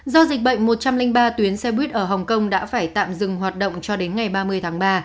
do dịch bệnh một trăm linh ba tuyến xe buýt ở hồng kông đã phải tạm dừng hoạt động cho đến ngày ba mươi tháng ba